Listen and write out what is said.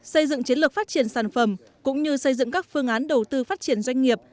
xây dựng chiến lược phát triển sản phẩm cũng như xây dựng các phương án đầu tư phát triển doanh nghiệp